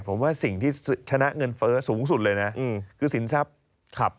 ผมว่าสิ่งที่ชนะเงินเฟ้อสูงสุดเลยนะ